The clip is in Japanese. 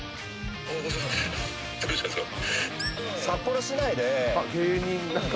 どうしたんですか？